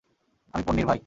আমি পোন্নির ভাই।